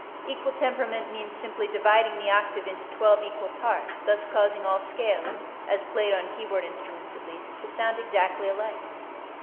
Equal temperament means simply dividing the octave into twelve equal parts, thus causing all scales (as played on keyboard instruments at least) to sound exactly alike.